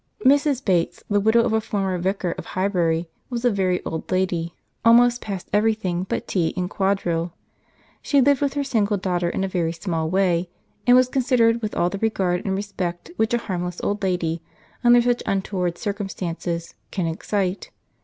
Mrs. Bates, the widow of a former vicar of Highbury, was a very old lady, almost past every thing but tea and quadrille. She lived with her single daughter in a very small way, and was considered with all the regard and respect which a harmless old lady, under such untoward circumstances, can excite.